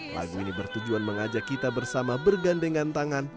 lagu ini bertujuan mengajak kita bersama bergandengan tangan